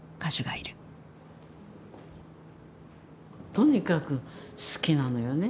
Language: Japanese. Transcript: とにかく好きなのよね